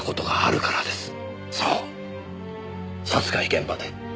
そう殺害現場で。